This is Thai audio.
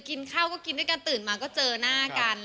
กินข้าวก็กินด้วยกันตื่นมาก็เจอหน้ากัน